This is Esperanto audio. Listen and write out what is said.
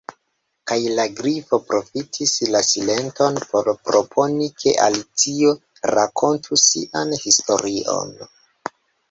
Kaj la Grifo profitis la silenton por proponi ke Alicio rakontu sian historion.